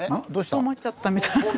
止まっちゃったみたい。